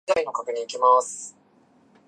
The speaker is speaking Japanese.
待つのも楽じゃない